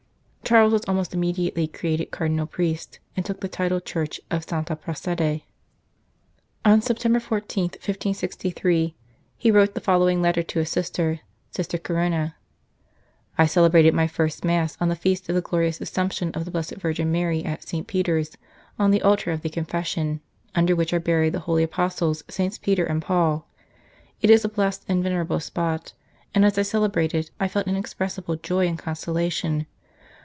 Charles was almost immediately created Car dinal Priest, and took the title church of Santa Prassede. 21 St. Charles Borromeo On September 14, 1563, he wrote the following letter to his sister, Sister Corona :" I celebrated my first Mass on the feast of the glorious Assumption of the Blessed Virgin Mary at St. Peter s, on the Altar of the Confession, under which are buried the Holy Apostles SS. Peter and Paul. It is a blessed and vener able spot, and as I celebrated I felt inexpressible joy and consolation.